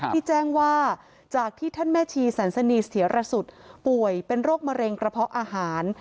ที่แจ้งว่าจากที่ท่านแม่ชีสันสนีเถียรสุทธิ์ป่วยเป็นโรคมะเร็งกระเพาะอาหาร